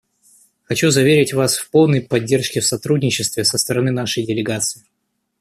Хочу заверить Вас в полной поддержке и сотрудничестве со стороны нашей делегации.